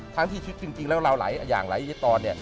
ทั้งที่ชีวิตจริงแล้วเราอย่างไร้ตอน